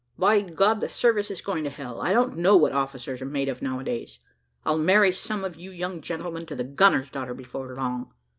By God! the service is going to hell. I don't know what officers are made of now a days. I'll marry some of you young gentlemen to the gunner's daughter before long.